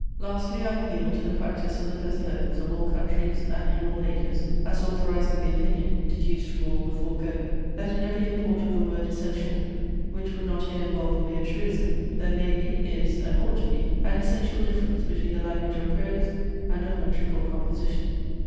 Lastly, I appeal to the practice of the best poets, of all countries and in all ages, as authorizing the opinion, (deduced from all the foregoing,) that in every import of the word essential, which would not here involve a mere truism, there may be, is, and ought to be an essential difference between the language of prose and of metrical composition.